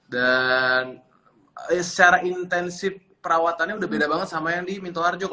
dan secara intensif perawatannya udah beda banget sama yang di minto harjo